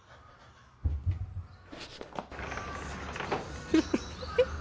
フフフフ！